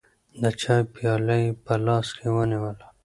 د چای پیاله یې په لاس کې ونیوله.